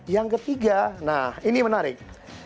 yang ketiga nah ini menarik